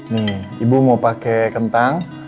nih ibu mau pakai kentang